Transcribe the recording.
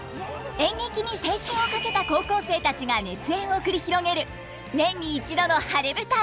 演劇に青春を懸けた高校生たちが熱演を繰り広げる年に１度の晴れ舞台。